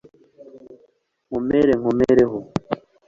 Nkomere nkomereho